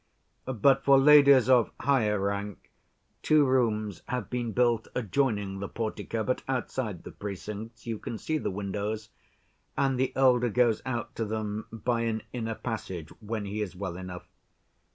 But for ladies of higher rank two rooms have been built adjoining the portico, but outside the precincts—you can see the windows—and the elder goes out to them by an inner passage when he is well enough.